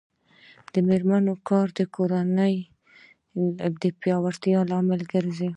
د میرمنو کار د کورنۍ پیاوړتیا لامل ګرځي.